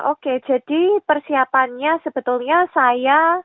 oke jadi persiapannya sebetulnya saya